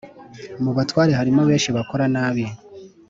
mubatware harimo benshi bakora nabi.